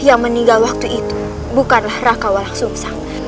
yang meninggal waktu itu bukanlah raka walang sungsang